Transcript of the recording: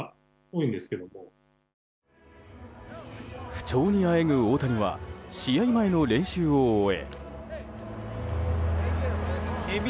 不調にあえぐ大谷は試合前の練習を終え。